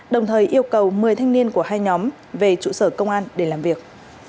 đồng thời yêu cầu một mươi thanh niên của hai nhóm về trụ sở công an để làm việc